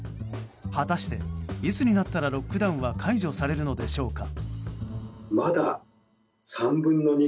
果たして、いつになったらロックダウンは解除されるのでしょうか。